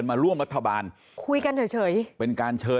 ถามเพื่อให้แน่ใจ